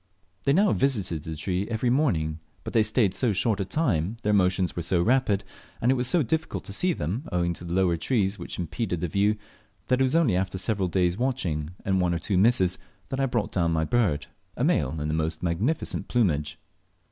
They now visited the tree every morning; but they stayed so short a time, their motions were so rapid, and it was so difficult to see them, owing to the lower trees, which impeded the view, that it was only after several days' watching, and one or two misses, that I brought down my bird a male in the most magnificent plumage.